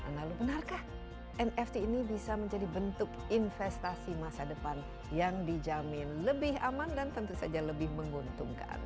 lalu benarkah nft ini bisa menjadi bentuk investasi masa depan yang dijamin lebih aman dan tentu saja lebih menguntungkan